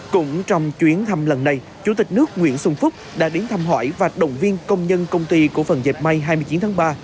cũng trong chuyến thăm lần này chủ tịch nước nguyễn xuân phúc đã đến thăm hỏi và động viên công nhân công ty cổ phần dịch may hai mươi chín tháng ba